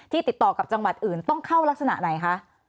ติดต่อกับจังหวัดอื่นต้องเข้ารักษณะไหนคะ